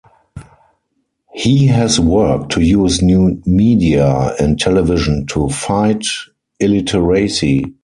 He has worked to use new media and television to fight illiteracy.